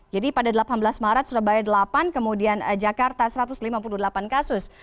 jadi pada delapan belas maret surabaya delapan kemudian jakarta satu ratus lima puluh delapan kasus